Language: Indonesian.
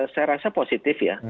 saya rasa positif ya